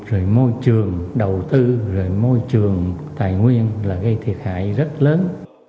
rồi môi trường đầu tư rồi môi trường tài nguyên là gây thiệt hại rất lớn